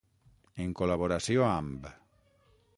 En col·laboració amb.